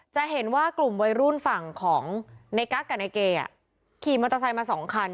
จะเห็นว่ากลุ่มวัยรุ่นฝั่งของในกั๊กกับนายเกย์ขี่มอเตอร์ไซค์มาสองคัน